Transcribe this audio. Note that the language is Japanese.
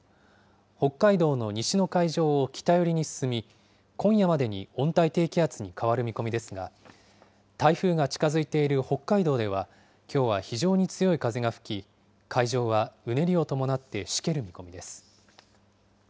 北海道の西の海上を北寄りに進み、今夜までに温帯低気圧に変わる見込みですが、台風が近づいている北海道では、きょうは非常に強い風が吹き、海上はうねりを伴って、しける見込みです。